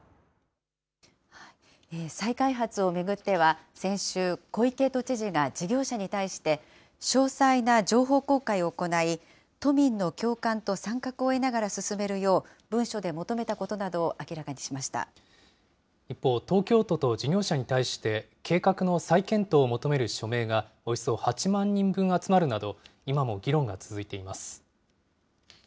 再開発を巡っては、先週、小池都知事が事業者に対して、詳細な情報公開を行い、都民の共感と参画を得ながら進めるよう、文書で求めたことなどを一方、東京都と事業者に対して、計画の再検討を求める署名が、およそ８万人分集まるなど、今も議論が続いています。